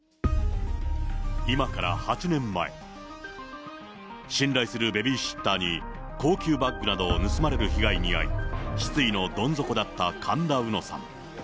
今から８年前、信頼するベビーシッターに、高級バッグなどを盗まれる被害に遭い、失意のどん底だった神田うのさん。